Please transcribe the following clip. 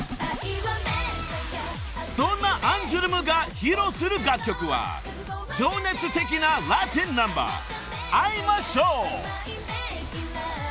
［そんなアンジュルムが披露する楽曲は情熱的なラテンナンバー『愛・魔性』］